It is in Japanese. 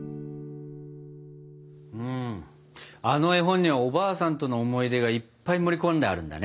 うんあの絵本にはおばあさんとの思い出がいっぱい盛り込んであるんだね。